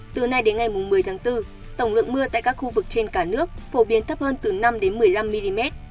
từ nay đến ngày một mươi tháng bốn tổng lượng mưa tại các khu vực trên cả nước phổ biến thấp hơn từ năm đến một mươi năm mm